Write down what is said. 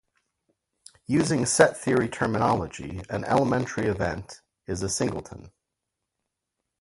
Using set theory terminology, an elementary event is a singleton.